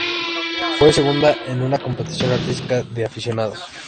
Fue segunda en una competición artística de aficionados.